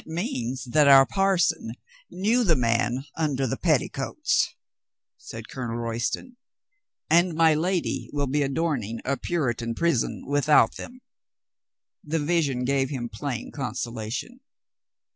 "It means that our parson knew the man under the petticoats," said Colonel Royston. "And my lady will be adorning a Puritan prison without them." The vision gave him plain consolation.